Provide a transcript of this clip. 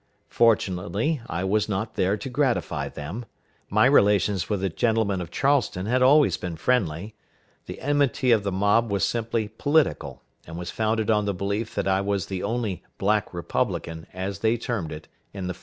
Fortunately, I was not there to gratify them. My relations with the gentlemen of Charleston had always been friendly. The enmity of the mob was simply political, and was founded on the belief that I was the only "Black Republican," as they termed it, in the fort.